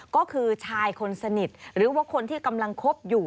ก็คือชายคนสนิทหรือว่าคนที่กำลังคบอยู่